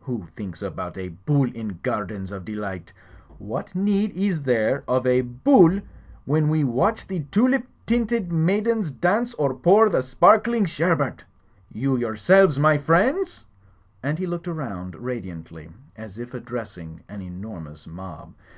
Who thinks about a Bull in gardens of delight? What need is there of a Bull when we watch the tulip tinted maidens dance or pour the sparkling sherbert? You yourselves, my friends?" And he looked aroimd ra diantly, as if addressing an enormous mob.